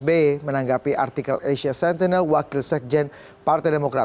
b menanggapi artikel asia sentinel wakil sekjen partai demokrat